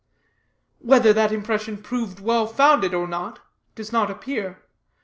Whether that impression proved well founded or not, does not appear.